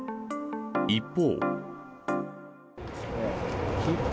一方。